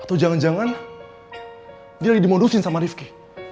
atau jangan jangan dia lagi dimodusin sama rizky